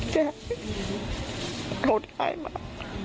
แจ๊ะโทษให้มา